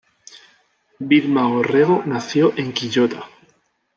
Vilma Orrego nació en Quillota.